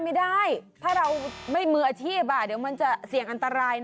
ไม่ได้ถ้าเราไม่มืออาชีพเดี๋ยวมันจะเสี่ยงอันตรายนะ